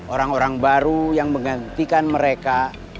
orang orang baru yang menggantikan mereka